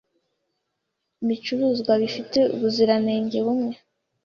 Ibicuruzwa bifite ubuziranenge bumwe.